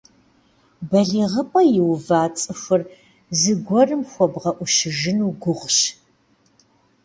БалигъыпӀэ иува цӀыхур зыгуэрым хуэбгъэӀущыжыну гугъущ.